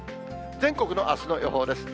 全国のあすの予報です。